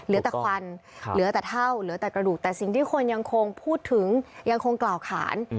เหลือแต่ควันเหลือแต่เท่าเหลือแต่กระดูกแต่สิ่งที่คนยังคงพูดถึงยังคงกล่าวขาน